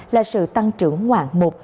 là sự tăng trưởng ngoạn một